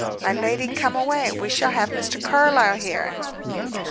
My lady, come away! We shall have Mr. Carlyle here."